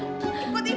ikut ibu pulang